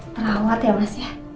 terawat ya mas ya